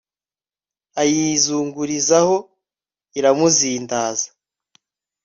ayizingurizaho iramuzindaza